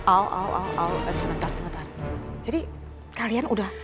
aw aw aw aw sebentar sebentar jadi kalian udah